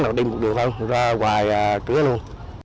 là đi một đường ra hoài cửa luôn